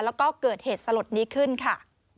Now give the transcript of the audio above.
แล้วก็เกิดเหตุสลดนี้ขึ้นค่ะ